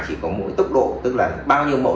chỉ có mỗi tốc độ tức là bao nhiêu mẫu